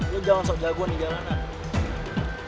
lu jangan sok jago nih jangan lah